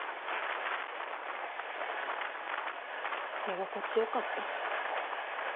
居心地良かった。